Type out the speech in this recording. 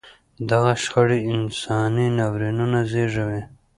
دغه شخړې انساني ناورینونه زېږوي.